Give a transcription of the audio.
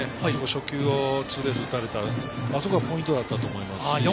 初球をツーベース打たれた、あそこがポイントだったと思います。